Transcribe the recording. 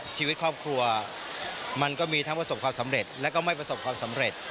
ชีวิตครอบครัวมันก็มีทั้งประสบความสำเร็จและก็ไม่ประสบความสำเร็จ